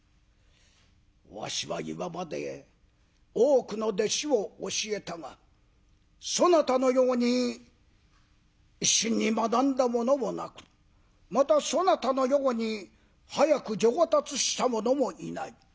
「わしは今まで多くの弟子を教えたがそなたのように一心に学んだ者もなくまたそなたのように早く上達した者もいない。